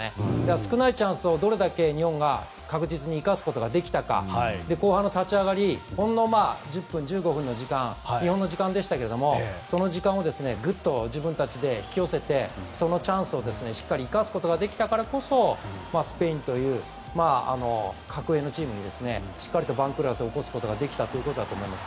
少ないチャンスをどれだけ日本が確実に生かせるか後半の立ち上がりほんの１０分、１５分が日本の時間でしたけどその時間をぐっと自分たちで引き寄せて、そのチャンスを生かすことができたからこそスペインという格上のチームにしっかりと番狂わせを起こすことができたんだと思います。